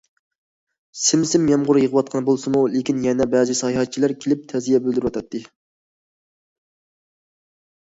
سىم- سىم يامغۇر يېغىۋاتقان بولسىمۇ، لېكىن يەنە بەزى ساياھەتچىلەر كېلىپ تەزىيە بىلدۈرۈۋاتاتتى.